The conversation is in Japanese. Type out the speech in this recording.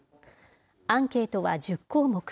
アンケートは１０項目。